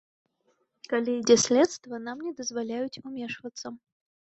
Калі ідзе следства, нам не дазваляюць умешвацца.